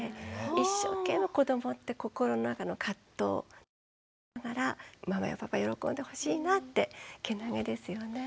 一生懸命子どもって心の中の葛藤闘いながらママやパパ喜んでほしいなってけなげですよね。